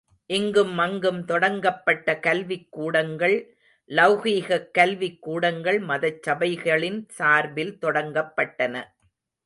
இங்கும் அங்கும் தொடங்கப்பட்ட கல்விக்கூடங்கள் லெளகீகக் கல்விக் கூடங்கள் மதச்சபைகளின் சார்பில் தொடங்கப்பட்டன.